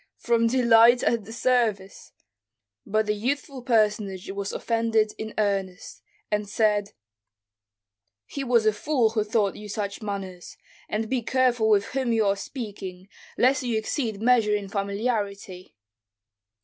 "From delight at the service." But the youthful personage was offended in earnest, and said, "He was a fool who taught you such manners, and be careful with whom you are speaking, lest you exceed measure in familiarity."